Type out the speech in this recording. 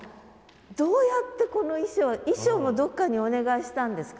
どうやってこの衣装衣装もどっかにお願いしたんですか？